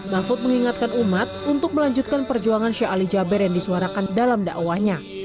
mahfud mengingatkan umat untuk melanjutkan perjuangan syahli jabir yang disuarakan dalam dakwahnya